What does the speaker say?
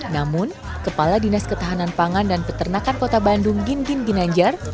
namun kepala dinas ketahanan pangan dan peternakan kota bandung ginting ginanjar